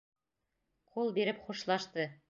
Ҡул биреп хушлашты.